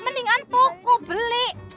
mendingan tuku beli